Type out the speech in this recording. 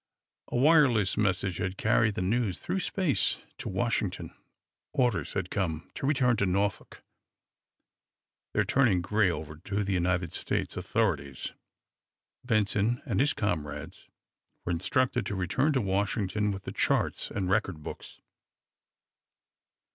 A wireless message had carried the news through space to Washington. Orders had come to return to Norfolk, there turning Gray over to the United States authorities. Benson and his comrades were instructed to return to Washington with the charts and record books.